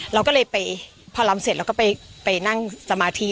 เราก็เลยไปพอลำเสร็จเราก็ไปนั่งสมาธิ